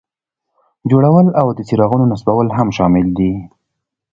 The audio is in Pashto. جوړول او د څراغونو نصبول هم شامل دي.